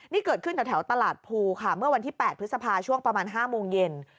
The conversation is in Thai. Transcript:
นี่เกิดขึ้นแถวตลาดภูค่ะเมื่อวันที่๘พฤษภาช่วงประมาณ๕โมงเย็น